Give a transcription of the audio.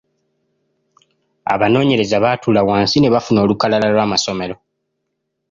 Abanoonyereza baatuula wansi ne bafuna olukalala lw’amasomero.